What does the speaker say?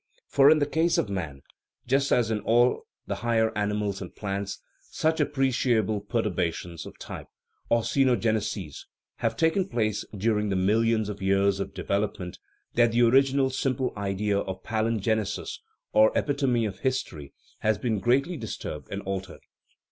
For, in the case of man, just as in all the higher animals and plants, such appreciable perturbations of type (or cenogeneses) have taken place during the millions of years of develop ment that the original simple idea of palingenesis, or "epitome of history," has been greatly disturbed and altered.